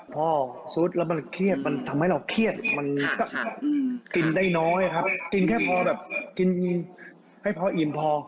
พอซุดแล้วมันเครียดมันทำให้เราเครียดมันก็กินได้น้อยครับกินแค่พอแบบกินให้พออิ่มพอ